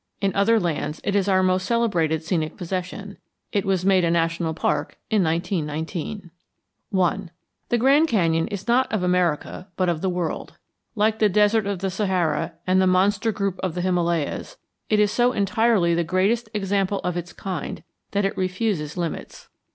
In other lands it is our most celebrated scenic possession. It was made a national park in 1919. I The Grand Canyon is not of America but of the world. Like the Desert of Sahara and the monster group of the Himalayas, it is so entirely the greatest example of its kind that it refuses limits.